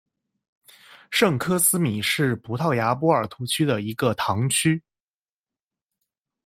圣科斯米是葡萄牙波尔图区的一个堂区。